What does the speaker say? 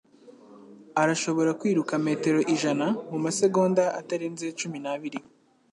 Arashobora kwiruka metero ijana mumasegonda atarenze cumi n'abiri.